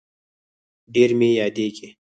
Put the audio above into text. ډير مي ياديږي